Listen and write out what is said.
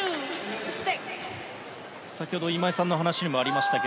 先ほど、今井さんの話にもありましたが